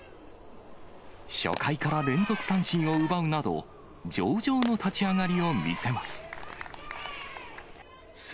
初回から連続三振を奪うなど、上々の立ち上がりを見せます。